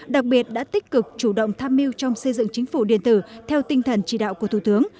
đặc biệt đã tích cực chủ động tham mưu trong xây dựng chính phủ điện tử theo tinh thần chỉ đạo của thủ tướng